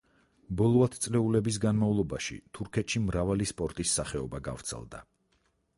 ბოლო ათწლეულების განმავლობაში თურქეთში მრავალი სპორტის სახეობა გავრცელდა.